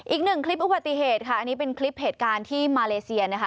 อีกหนึ่งคลิปอุบัติเหตุค่ะอันนี้เป็นคลิปเหตุการณ์ที่มาเลเซียนะคะ